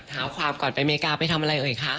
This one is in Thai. หาความก่อนไปอเมริกาไปทำอะไรเอ่ยคะ